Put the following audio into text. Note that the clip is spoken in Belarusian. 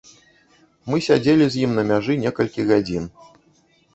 Мы сядзелі з ім на мяжы некалькі гадзін.